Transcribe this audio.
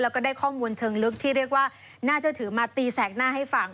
แล้วก็ได้ข้อมูลเชิงลึกที่เรียกว่าน่าจะถือมาตีแสกหน้าให้ฟัง